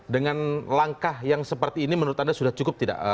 dengan langkah yang seperti ini menurut anda sudah cukup tidak